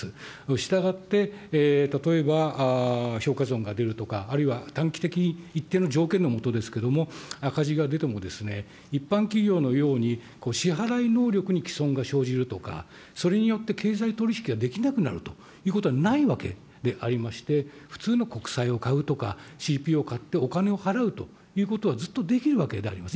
したがって、例えば、評価損が出るとか、あるいは短期的に一定の条件のもとですけれども、赤字が出てもですね、一般企業のように支払い能力にきそんが生じるとか、それによって経済取り引きができなくなるということはないわけでありまして、普通の国債を買うとか、を買ってお金を払うということは、ずっとできるわけであります。